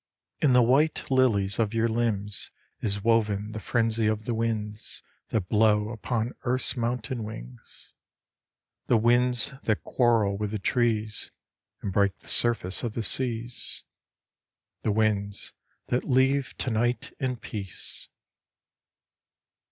In the white lilies of your limbs Is woven the frenzy of the winds That blow upon earth's mountain wings. The winds that quarrel with the trees, And break the surface of the seas. The winds that leave to night in peace.